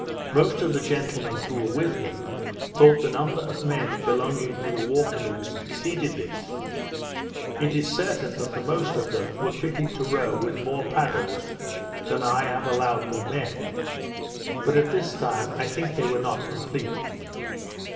Most of the gentlemen who were with me, thought the number of men belonging to the war canoes exceeded this. It is certain that the most of them were fitted to row with more paddles than I have allowed them men; but, at this time, I think they were not complete.